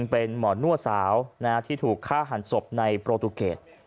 เป็นหมอหนั่วสาวที่ถูกฆ่าหันศพในปลูตุเกรด